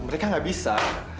mereka gak bisa